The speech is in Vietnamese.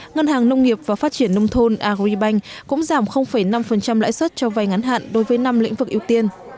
ngân hàng nông nghiệp và phát triển nông thôn agribank cũng giảm năm lãi suất cho vay ngắn hạn đối với năm lĩnh vực ưu tiên